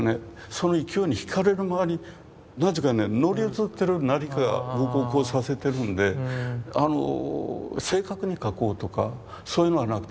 その勢いに引かれるままに何て言うかね乗り移ってる何かが僕をこうさせてるんで正確に描こうとかそういうのはなくてね。